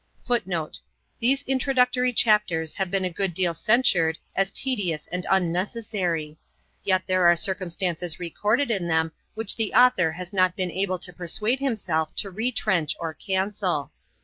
[Footnote: These Introductory Chapters have been a good deal censured as tedious and unnecessary. Yet there are circumstances recorded in them which the author has not been able to persuade himself to retrench or cancel.